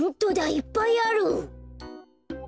いっぱいある！